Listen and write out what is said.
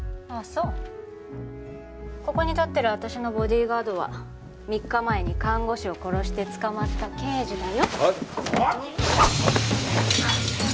そうここに立ってる私のボディーガードは３日前に看護師を殺して捕まった刑事だよあっ！？